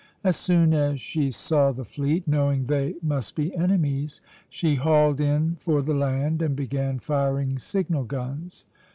As soon as she saw the fleet, knowing they must be enemies, she hauled in for the land and began firing signal guns.